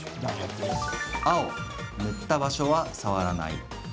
青・塗った場所は触らない。